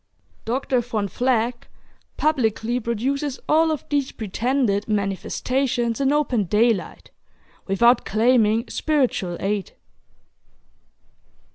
Dr. Von Vleck publicly produces all of these pretended "manifestations" in open daylight, without claiming spiritual aid.